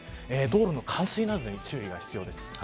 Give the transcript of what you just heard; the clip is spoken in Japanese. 道路の冠水などに注意が必要です。